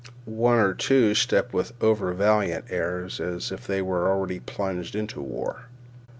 One or two stepped with overvaliant airs as if they were already plunged into war.